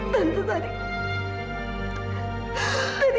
tante tadi tante tadi